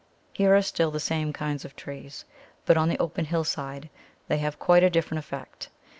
Here are still the same kinds of trees, but on the open hillside they have quite a different effect.